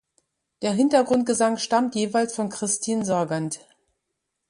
Der Hintergrundgesang stammt jeweils von Christin Sargent.